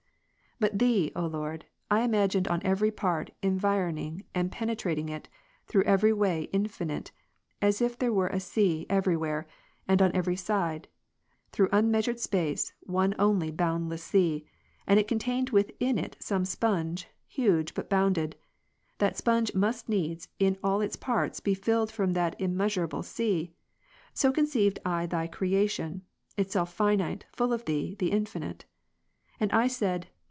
But Thee, O Lord, I imagined on every part environ ing and penetrating it, though every way infinite : as if there were a sea, every where, and on every side, through unmea sured space, one only boundless sea, and it contained within it some sponge, huge, but bounded; that sponge must needs, in all its parts, be filled from that unmeasureable sea: so con ceived I Thy creation, itself finite, full of Thee, the Infinite ; and I said.